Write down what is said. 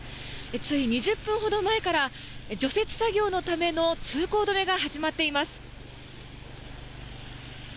つい２０分ほど前から除雪作業のための通行止めが始まっています。